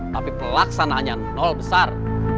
tapi pelaksananya nol besar